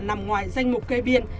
nằm ngoài danh mục cây biên